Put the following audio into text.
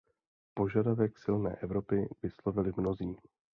Požadavek silné Evropy vyslovili mnozí.